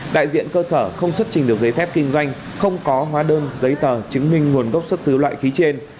đại diện cơ sở không xuất trình được giấy phép kinh doanh không có hóa đơn giấy tờ chứng minh nguồn gốc xuất xứ loại khí trên